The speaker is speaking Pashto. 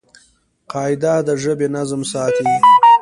قاعده د ژبي نظم ساتي.